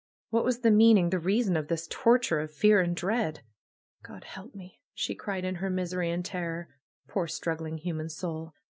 What was the meaning, the reason of this tor ture of fear and dread? ^^God help me !'^ she cried in her misery and terror. Poor, struggling human soul!